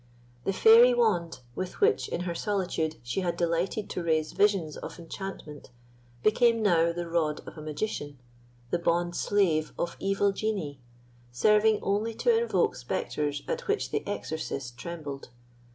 The fairy wand, with which in her solitude she had delighted to raise visions of enchantment, became now the rod of a magician, the bond slave of evil genii, serving only to invoke spectres at which the exorcist trembled.